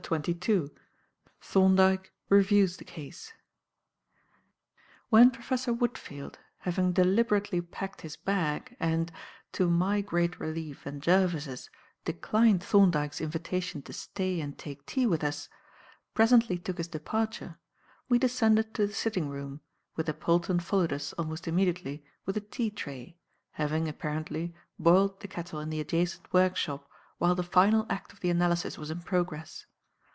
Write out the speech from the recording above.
CHAPTER XXII THORNDYKE REVIEWS THE CASE WHEN Professor Woodfield, having deliberately packed his bag and to my great relief and Jervis's declined Thorndyke's invitation to stay and take tea with us, presently took his departure, we descended to the sitting room, whither Polton followed us almost immediately with a tea tray, having, apparently, boiled the kettle in the adjacent workshop while the final act of the analysis was in progress.